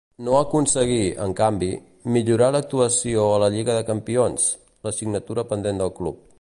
No aconseguí, en canvi, millorar l'actuació a la lliga de campions, l'assignatura pendent del club.